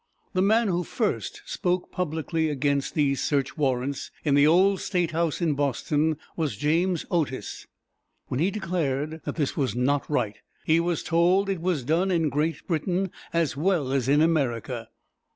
The man who first spoke publicly against these search warrants, in the old statehouse in Boston, was James O´tis. When he declared that this was not right, he was told it was done in Great Britain as well as in America.